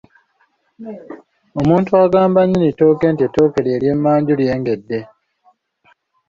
Omuntu agamba nnyinni ttooke nti ettooke lyo ery'emmanju lyengedde.